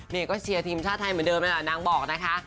นี่ก็เชียร์ทีมชาติไทยเหมือนเดิมนั่นแหละนางบอกนะคะ